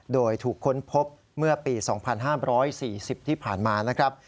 โดยถูกค้นพบเมื่อปี๒๕๔๐ที่ผ่านมานะครับ